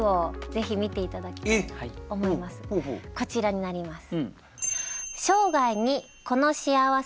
こちらになります。